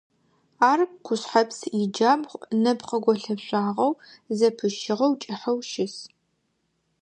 Ар Къушъхьэпс иджабгъу нэпкъ голъэшъуагъэу зэпыщыгъэу кӀыхьэу щыс.